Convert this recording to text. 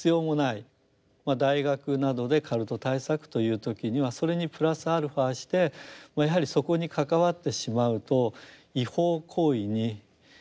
大学などでカルト対策という時にはそれにプラスアルファしてやはりそこに関わってしまうと違法行為に巻き込まれる。